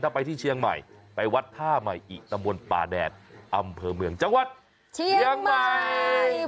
ถ้าไปที่เชียงใหม่ไปวัดท่าใหม่อิตำบลป่าแดดอำเภอเมืองจังหวัดเชียงใหม่